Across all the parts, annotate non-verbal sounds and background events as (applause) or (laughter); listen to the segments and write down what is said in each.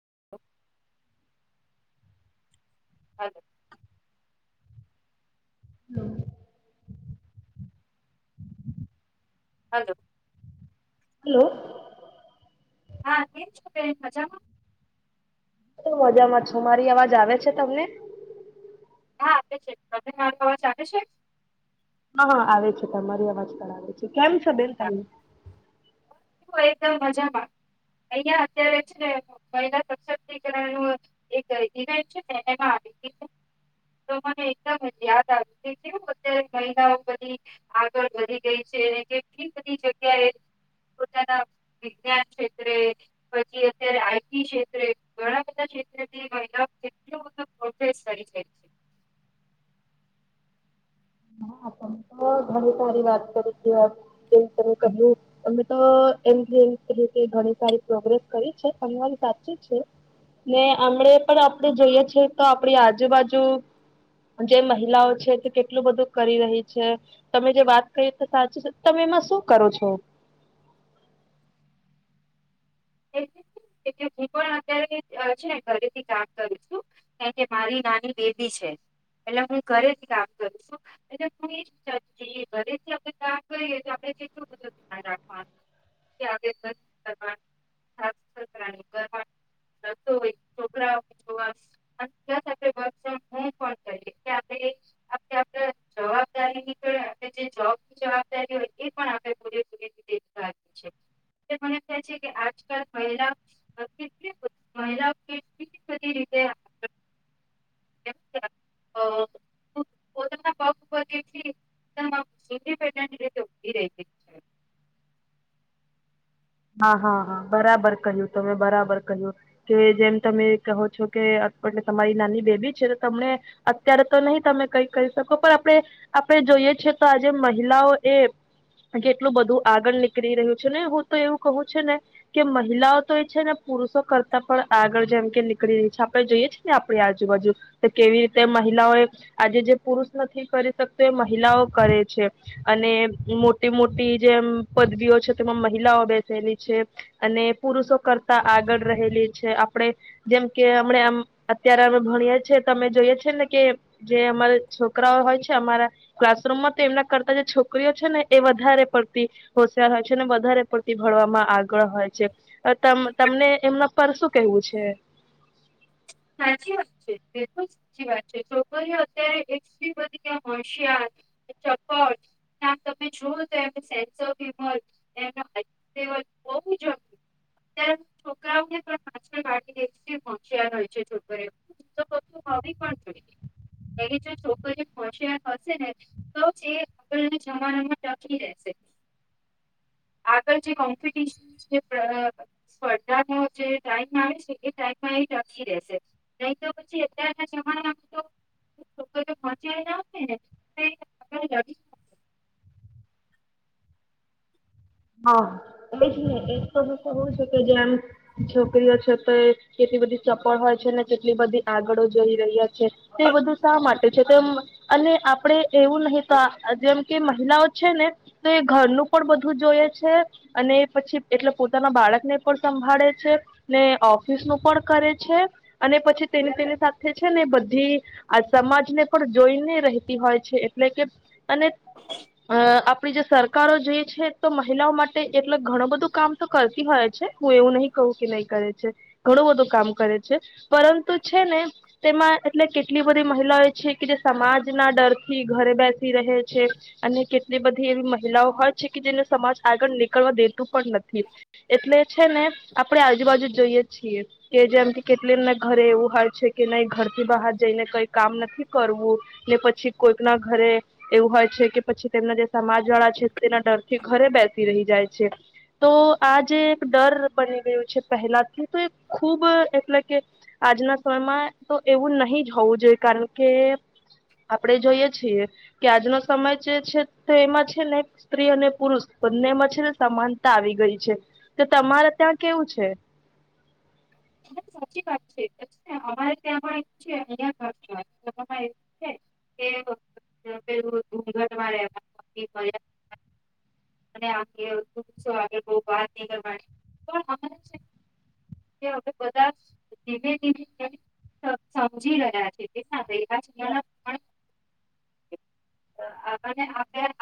(inaudible) હ હમ hello hello હા કેમ છો બેન મજામાં મજામાં છો મારી અવાજ આવે છે તમને હા આપે છે માર અવાજ આવે છે. હા હા આવે છે તમારી અવાજ પણ આવે છે. કેમ છો બેન હા, તમે મજામાં અહં અત્યારે છે મહિલા સશક્તિકરણ નુ એક ઇવેન્ટ છે આવી તો મને એકદમ યાદ આવ કેું અત્યારે મહિલાઓ બધી આગળ વધી ગઈ છે કેટલી બધી જગ્યાએ પોતાના વિજ્ઞાન ક્ષેત્રે પછી અત્યારે આઈટી ક્ષેત્રે ઘણા બધા ક્ષેત્રેથી મહિલા કેટલું બધું પ્રોગ્રેસ કરી છે. હા તમે ઘણી સારી વાત કરી છે જેમ ત કહ્યું અમે તો એમ ઘણી સારી પ્રોગ્રેસ કરી છે (unintelligible) ઘરી સાચી છે ને હમ પણ આપડે જોઈએ છેએ તો આપણી આજુબાજુ જે મહિલાઓ છે તે કેટલું બધું કરી રહી તમે જે વાત કરીએ તો સાચી છે તમે એમાં શું કરો છો? હું પણ અત્યારે છે ઘરેથી કામ કરું છું કારણ કે મારી નાની બેબી છે એટ હું ઘરેથી કામ કરું છું એટ હું એ જ વિચારતી હતી ઘરેથી કામ કરી તો આપડે કેટલું બધુ ધ્યાન રાખવાનુંનું (unintelligible) વર્ક ફ્રોમ હોમ હોય છોકરાયવા ફો હો જવાબદારીનીબની જવાબદારી હોય એ આપ પૂૂરી મ (inaudible) આજકાલ મહિલા કેટલી મહિલાલી બધી રીતે પોતાના પગી. પોતાના પગ પર કેટલી (inaudible) હા હા હા બરાબર કર્યું તમે બરાબર કર્યું કે જેમ તમે કહો છો કે તમારી નાની બેબી છે તમને અત્યારે તો નહી તમે કઈ કરી શકો પણ આપણે આપણે જોઈએ છેએ તો આજે મહિલાઓ એ કેટલું બધું આગળ નીકળી રહ્યું છે ને હું તો એવું કહું છે ને કે મહિલાઓ તો એ છે ને પુરુષો કરતા પણ આગળ જેમ કે નીકળી રહી છે આપણે જોઈએ છેએ ને આપણી આજુબાજુ કે કેવી રીતે મહિલાઓ એ આજે જે પુરુષ નથી કરી શકતો એ મહિલાઓ કરે છે અને મોટી મોટી જેમ પદવીઓ છે તેમાં મહલાઓ બેસેલી છે અને પુરુષો કરતા આગળ રહેલી છે આપણે જેમ કે અમ આમ અત્યારે અમે ભણીએ છેએ અમે જોઈએ છે ને કે જે અમારા છોકરાઓ હોય છે અમારા ક્લાસરૂમમાં તો એમના કરતા જે છોકરીઓ છે ને એ વધારે પડતી હોશિયાર હોય છે અનેને વધારે પૂતિ ભણવામાં આગળ હોય છે તમને એમના પર શું કેહવું છે. સાચી વાત છે બિલકુલ સાચી વાત છે છોકરી અત્યારે હોશિયાર ચપટ તમે જોઓ તો સેન્સ ઓફ હ્યુમર ને એના બહુ જ અત છોકરાઓને પાછણ પાડી દે એટલી હોશિયાર હોય. છે છોકરીઓ તો (unintelligible) હો પણ જોઈએ જો છોકરીઓ હશે હશે ને તો આગળના જમાનામાં ટકી રહેશે આગળ જે કોમ્પિટશ સ્પર્ધાનો જે ટાઈમ આવે છે એ ટાઈમ નહી તો પછી અત્યારના જમાનામાં તો છોકરીઓ લોકો પહચલા હશે ને હા એજ ને એ તો હવું છે કે જેમ છોકરીઓ છે તો કેટલી બધી ચપળ હોય છે ને કેટલી બધી આગળ જઈ રહ્યા છે તે એ બધું શા માટે છે તેમ અને આપડે એવું નહિ તો જેમ કે મહિલાઓ છે ને તો એ ઘરનું પણ બધું જોઈએ છે અને પછી એટલે પોતાના બાળક ને પણ સંભાળે છે ને ઓફિસ નું પણ કરે છે અને પછી તેની તેની સાથે છે ને બધી આ સમાજ ને પણ જોઈને રહેતી હોય છે એટલે કે અને અ આપ આપણી જે સરકારો જોઈએ છે તો મહિલાઓ માટે એટલે ઘણું બધું કામ તો કરતી હોય છે હું એવું નહી કહું કે નહી કરે છે ઘણું બધું કામ કરે છે પરંતુ છે ને તેમાં એટલે કેટલી બધી મહિલાઓ છે કે જે સમાજના ડરથી ઘરે બેસી રહે છે અને કેટલી બધી એવી મહિલાઓ હોય છે કે જેને સમાજ આગળ નીકળવા દેતું પણ નથી એટલે છે ને આપણે આજુબાજુ જઈએ છીએ કે જેમ કે કેટલી એમને ઘરે એવું હોય છે કે નહી ઘર થી બહાર જઈને કઈ કામ નથી કરવું ને પછી કોઈક ના ઘરે એવું હોય છે કે પછી તેમના જે સમાજ વાળા છે તેના ડર થી ઘરે બેસ રહી જાય છે તો આ જે એક ડર બની ગું છે પહેલાથી તો એ ખુબ એટલે કે આજના સમયમાં તો એવું નહી જ હોવું જોઈએ કારણ કે આપણેે જોઈએ છીએ કે આજનો સમય જે છે તો એમાં છે નહી સ્ત્રી અને પુરુષ બંનેમાં છે ને સમાનતા આવી ગઈ છે તો તમારે ત્યાં કેવું છે. સાચી વાત છે અમારે ત્યાં છે અહ કે પેું ધગટમાં બતનીકની હવે બધા ધીમે ધીમે સમજી રહ્યા છે કે આપ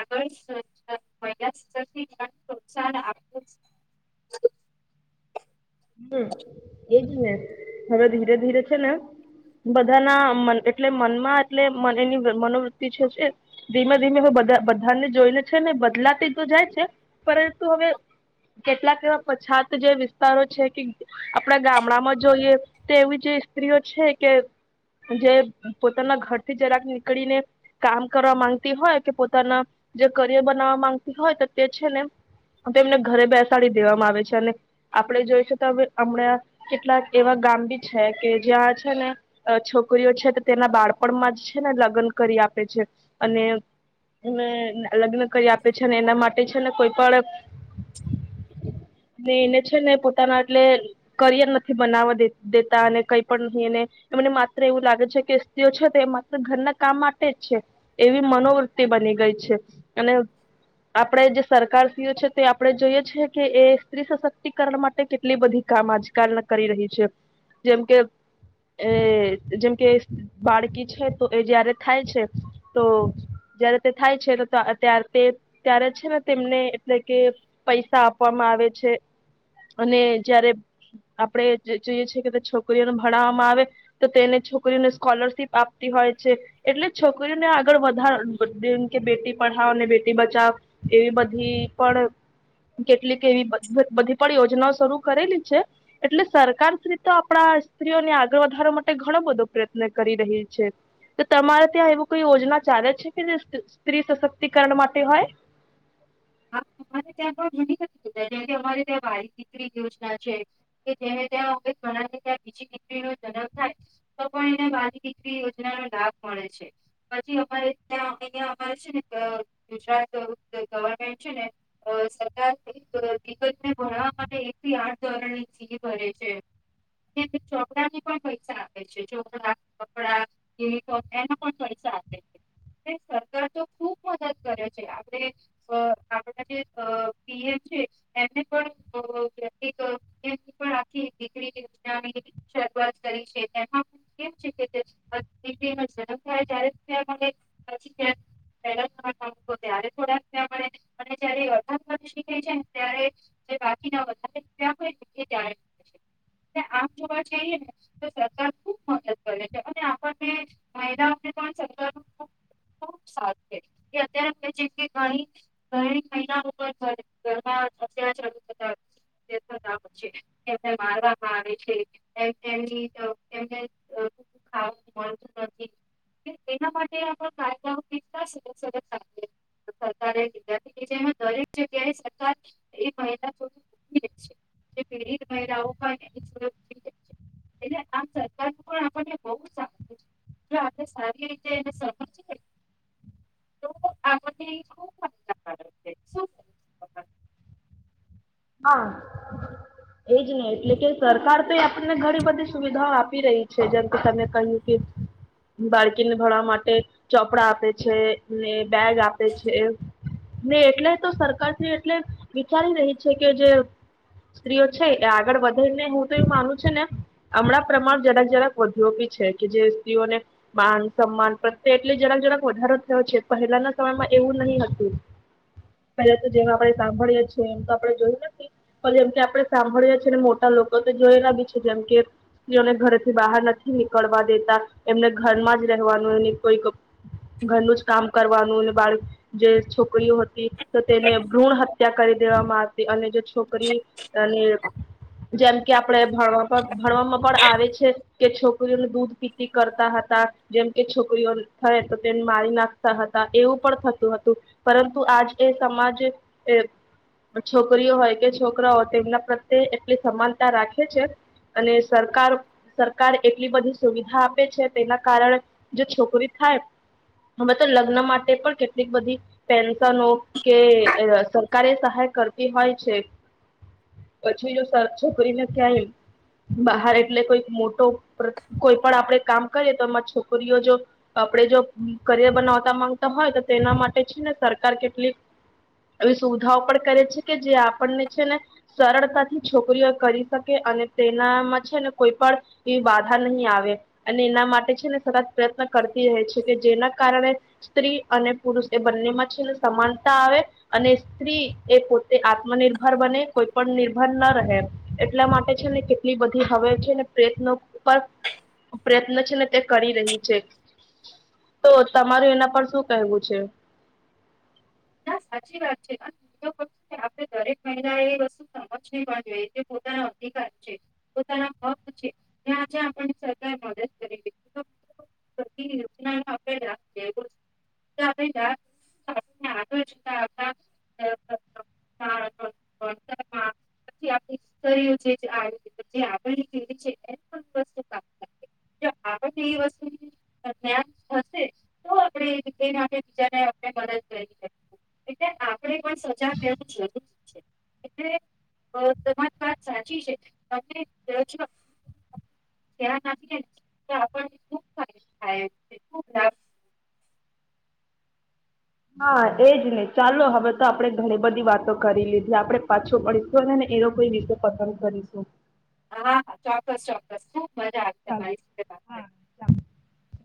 આગળ પ્રોત્સાન આપું એજ ને હવે ધીરે ધીરે છે ને બધાના એટલે મનમાં એટલે મ એની મનોવૃત્તિ છે છે ધીમે ધીમે હ બધાને જોઈને છે ને બદલાતી તો જાય છે પરંતુ હવે કેટલાક એવા પછાત જે વિસ્તારો આપણા ગામડામાં જોઈએ તે એવી જે સ્ત્રીઓ છે કે જે પોતાના ઘરથી જરાક નીકળીને કામ કરવા માંગતી હોય કે પોતાના જે કરિયર બનાવવા માંગતી હોય તો તે છે ને તેમને ઘરે બેસાડી દેવામાં આવે છે અને આપણે જોઈ હમણાં કેટલાક એવા ગામ બી છે કે જ્યાં છે ને છોકરીઓ છે તેના બાળપણમાં જ છે ને લગ્ન કરી આપે છે અને લગ્ન કરી આપે છે અને એના માટે છે ને કોઈ પણ ને એને છે ને એટલે કરિયર નથી બનાવાે દેતા અને કઈ પણ નહીને એમને માત્ર એવું લાગે છે કે સ્ત્રીઓ છે તો માત્ર ઘરના કામ માટે જ છે એવી મનોવૃત્તિ બની ગઈ છે અને આપણે જે સરકારશ્રીઓ છે તે આપણે જોઈએ છે કે એ સ્ત્રી સશક્તિકરણ માટે કેટલી બધી કામ આજકાલ કરી રહી છે જેમ કે એ જેમ કે બાળકી છે તો એ જયારે થાય છે તો જય્યારે તે થાય છેયારે ત્યારે છે ને તેમને એટલે કે પૈસા આપવામાં આવે છે. અને જયારે આપડે જોઈએ છેએ કે છોકરીઓને ભણાવવામાં આવે તો તેને છોકરીઓને સ્કોલરશીપ આપ હોય છે એટલે છોકરીઓને આગળ વધારે કે બેટી પાવ અને બેટી બચાવ એવી બધી પણ કેટલીક એવી બધી પણ યોજના શરૂ કરેલી છે એટલે સરકારી તો આપણા સ્ત્રીઓને આગળ વધારવા માટે ઘણો બધો પ્રયત્ન કરી રહી છે તો તમારે ત્યાં એવું કોઈ યોજના ચાલે છે કે જે સ્ત્રી સશક્તિકરણ માટે હોય. હા ત્યાં પણ જુ નથી જે કે અમારે ત્યાં વાલી દીકરી યોજના છે કે જે ત્યાં ઘણાથી ત્યાં બીજી દીકરી નો જન્મ થાય તો પણ એને વાલી દીકરી યોજના ન લાભ મળે છે પછી અમારે ત્યાં અહં અમારે છે ને ગુજરાત ગવર્મેન્ટ સરકાર એક વિગતને ભણવા માટે એક થી આઠ ધોરણ ની સી ભરે છે ચોપડા ને પણ પૈસા આપે છે ચોપડા કપડા યુનફોમ એના પણ પૈસા આપે છે સરકાર તો ખુબ મદદ કરે છે આપણે પીએમ છે એમને પણ આખી દીકરી યોજનાની શરૂઆત કરી છે એમાં કેમ છે કે દીકરીનો જન્મ થાય્યારે પછી પલા ત્યારે થોડાકે અને જર્ાદી થાય છેને ત્યારે જે બાકીના વધારે રૂ હોય ત આમ જોવા જઈએને સરકાર ખુબ મદદ કરે છે અને આપણને મહિલાઓને પણ સરકાર ખબથ છે અત્યારેણી ઘ થય છે તેમને મારવામાં આવે છેને. (unintelligible) જેમાં દરેક જગ્યાએ સરકાર એ મહિલા છે જે પીડિત મહિલાઓ પણ છે એટલે આ સરકાર પણ આપણને બ જો આપ સારી રીતે સમજ તો આપને (inaudible) હા એજ નહી એટલે કે સરકાર તો આપને ઘણી બધી સુવિધાઓ આપી રહી છે જેમ કે તમે કહ્યું કે બાળકીને ભણવા માટે ચોપડા આપે છે ને બેગ આપે છે. ને એટલે તો સરકાર એટલે વિચારી રહી જે સ્ત્રીઓ છે એ આગળ વધેને હું તો એું માનું છું ને હમણાં પ્રમાણ જરાક જરાક વધ્યો બી છે કે જે સ્ત્રીઓને માન સન્માન પ્રત્યે એટલી જરાક જરાક વધારો થયો છે પહેલાના સમયમાં એવું નહીં હતું પહેલા તો જેમ આપણે સાંભળીએ છએ એમ જેમ કે આપણે સાંભળએ છી ને મોટા લોકો તો જોયલા બી છે જેમ કે સ્ત્રીઓને ઘરથી બહાર નથી નીકળવા દેતા એમને ઘર માં જ રહેવાનું કોઈક ઘરનું જ કામ કરવાનું બાળ જે છોકરીઓ હતી તો તેને ભ્રૂણ હત્યા કરી દેવામાં અને જો છોકરી જેમ કે આપણે ભણવા ભણવામાં પણ આવે છે કે છોકરીઓને દૂધ પિતતી કરતા હતા જેમ કે છોકરીઓ થાય તો તેને મારી નાખતા હતા એવું પણ થતું હતું પરંતુ આજ એ સમાજ છોકરીઓ હોય કે છોકરા હોય તેમના પ્રત્યે એટલી સમાનતા રાખે છે અને સરકાર સરકાર એટલી બધી સુવિધા આપે છે તેના કારણે જો છોકરી થાય હવે તો લગ્ન માટે પણ કેટલીક બધી પેન્શનો કે સરકારે સહાય હોય છે પછી જો છોકરીને ક્યાંય બહાર એટલે કોઈક મોટો કોઈ પણ આપણે કામ કરીએ તો એમાં છોકરીઓ જો આપણે જો કરિયર બનાવતા માંગતા હોય તો તેના માટે છે ને સરકાર કેટલીક એ સુવિધાઓ પણ કરે સરળતાથી છોકરીઓ કરી શકે અને તેનામાં છે ને કોઈ પણ એવી બાધા નહીં આવે અને એના માટે છેને સરત પ્રયત્ન કરતી રહે છે કે જેના કારણે સ્ત્રી અને પુરુષ એ બંનેમાં છે ને સમાનતા આવે અને સ્ત્રી એ પો તે આત્મનિર્ભર બને કોઈ પણ નિર્ભર ના રહે એટલા માટે છે ને કેટલી બધી હવે છે ને પ્રયત્નો પર પ્રયત્ન છે ને તે કરી રહી છે તો તમારું એના પર શું કહેવું છે. સાચ વાત છે આપ દરેક મહિલા એ વસ્તુ સમજ જોઈએ પોના અધિકાર છે પોતાના હક છે તજ આપ સરકાર મદદ કરી છે. (unintelligible) પ આપતરી છે આવી વસ્તુ થશે તો આપણે એ રીતે બીજા આપણે મદદ કરીએ એટલે આપણે પણ સજા રહેવું જરૂરી છે એટલે તમારી વાત સાચી છે ત જો ત્યા તો આપણને ખૂબાયદ થાય ખૂબ લાભ હા એજ નહી ચાલો હવે તો આપણે ઘણી બધી વાતો કરી લીધી આપણેે પાછો પડીશું અનેને એનો કોઈ રતે પસંદ કરીશું હા હા ચોક્કસ ચોક્કસ મજા આવી ચાલો તમારી સાથે વાત કરી હા ચ ચ